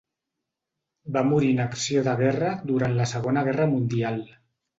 Va morir en acció de guerra durant la Segona Guerra Mundial.